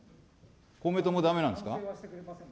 公明党もだめなんですか。